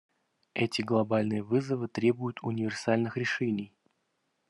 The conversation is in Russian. Эти глобальные вызовы требуют универсальных решений.